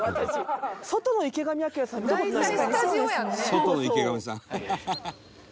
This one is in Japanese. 「外の池上さん」